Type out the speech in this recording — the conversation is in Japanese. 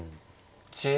１０秒。